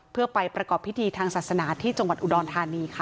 เพื่อไปประกอบพิธีทางศาสนาที่จังหวัดอุดรธานีค่ะ